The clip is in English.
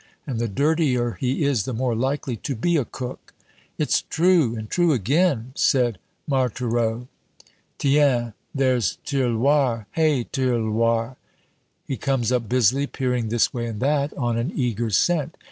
And the dirtier he is, the more likely to be a cook." "It's true, and true again," said Marthereau. "Tiens, there's Tirloir! Hey, Tirloir!" He comes up busily, peering this way and that, on an eager scent.